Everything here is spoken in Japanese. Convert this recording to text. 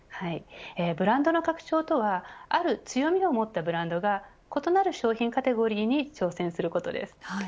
ブランドの拡張とはある強みを持ったブランドが異なる商品カテゴリーに挑戦することです。